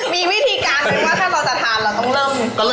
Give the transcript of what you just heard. มีวิธีการไหมว่าถ้าเราจะทานเราต้องเริ่ม